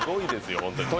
本当に。